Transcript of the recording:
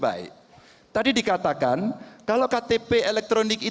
jadi saya mau bicara tentang hal hal yang terjadi di negara ini